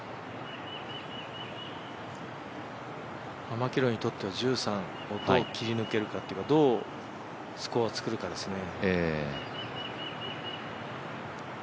マキロイにとっては１３をどう切り抜けるかというか、どうスコアを作るかですね。